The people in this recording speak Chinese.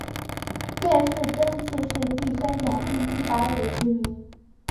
殿试登进士第三甲第一百五十名。